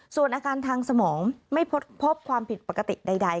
ส่วนอาการทางสมองไม่พบความผิดปกติใด